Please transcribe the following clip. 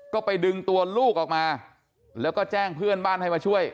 ก็ไปดึงตัวลูกออกมาแล้วก็แจ้งเพื่อนบ้านให้มาช่วย